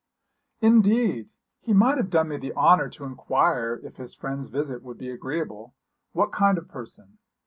'Indeed! He might have done me the honour to inquire if his friend's visit would be agreeable. What kind of person?'